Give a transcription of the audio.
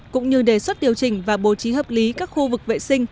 cũng như đề xuất điều chỉnh và bố trí hợp lý các khu vực vệ sinh